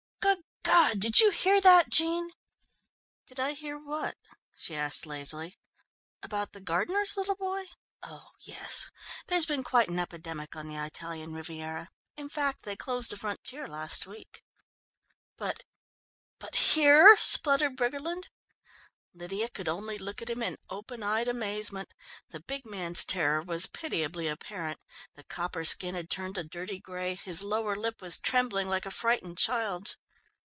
Good God, did you hear that, Jean?" "Did I hear what?" she asked lazily, "about the gardener's little boy? Oh, yes. There has been quite an epidemic on the Italian Riviera, in fact they closed the frontier last week." "But but here!" spluttered Briggerland. Lydia could only look at him in open eyed amazement. The big man's terror was pitiably apparent. The copper skin had turned a dirty grey, his lower lip was trembling like a frightened child's.